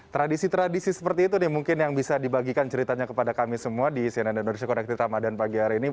tradisi tradisi seperti itu nih mungkin yang bisa dibagikan ceritanya kepada kami semua di cnn indonesia connected ramadan pagi hari ini